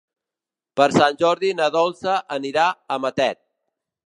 Per Sant Jordi na Dolça anirà a Matet.